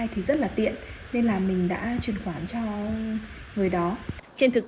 chủ xe có thể tra khiếu hạn kiểm định trên website chính thức